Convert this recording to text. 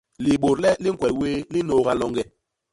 Libôdle li ñkwel wéé li nnôôga loñge.